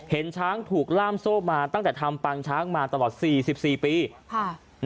เห็นช้างถูกล่ามโซ่มาตั้งแต่ทำปางช้างมาตลอดสี่สิบสี่ปีค่ะ